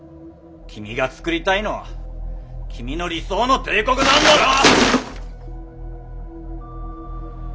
君が創りたいのは君の理想の帝国なんだろ！